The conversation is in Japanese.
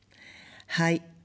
はい。